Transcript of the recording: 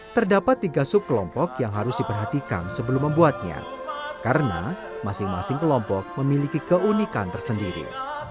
terdapat tiga subkelompok yang harus diperhatikan sebelum membuatnya karena masing masing kelompok memiliki keunikan tersendiri